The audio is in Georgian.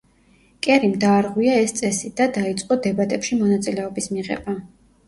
კერიმ დაარღვია ეს წესი და დაიწყო დებატებში მონაწილეობის მიღება.